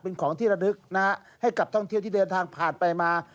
เป็นของที่ระลึกนะฮะให้กับท่องเที่ยวที่เดินทางผ่านไปมา